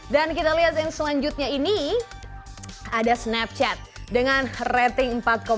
dan kita lihat yang selanjutnya ini ada snapchat dengan rating empat satu